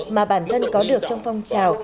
mà bản thân có được trong phong trào